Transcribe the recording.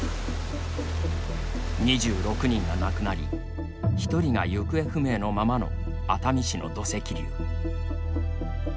２６人が亡くなり１人が行方不明のままの熱海市の土石流。